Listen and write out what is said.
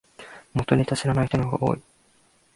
元ネタ知らない人の方が多い